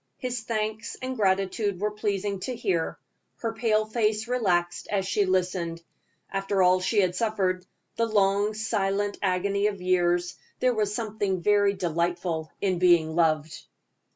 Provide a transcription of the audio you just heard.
His thanks and gratitude were pleasing to hear. Her pale face relaxed as she listened. After all she had suffered, the long, silent agony of years there was something very delightful in being loved.